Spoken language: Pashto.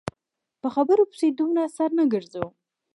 په خبرو پسې دومره سر نه ګرځوم.